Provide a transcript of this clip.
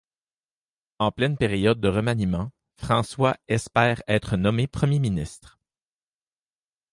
En pleine période de remaniement, François espère être nommé Premier ministre.